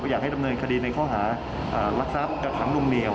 อยากให้ดำเนินคดีในข้อหารักทรัพย์กักขังนุ่มเหนียว